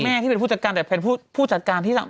ที่เป็นผู้จัดการแต่เป็นผู้จัดการที่